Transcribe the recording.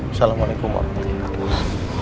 assalamualaikum warahmatullahi wabarakatuh